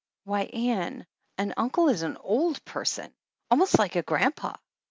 Why, Ann, an uncle is an old person, almost like a grandpa!